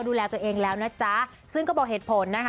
ดูแลตัวเองแล้วนะจ๊ะซึ่งก็บอกเหตุผลนะคะ